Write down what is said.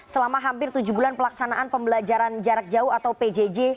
selama hampir tujuh bulan pelaksanaan pembelajaran jarak jauh atau pjj